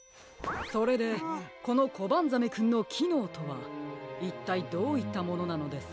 それでこのコバンザメくんのきのうとはいったいどういったものなのですか？